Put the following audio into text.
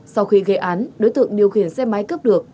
sau khi gây án đối tượng điều khiển xe máy cướp được